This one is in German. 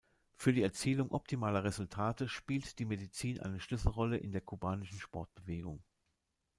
Für die Erzielung optimaler Resultate spielt die Medizin eine Schlüsselrolle in der kubanischen Sportbewegung.